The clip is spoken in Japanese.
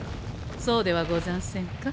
そうではござんせんか？